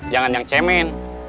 jangan yang cemen